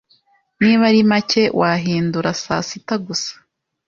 Niba ari make, wahindura saa sita gusa.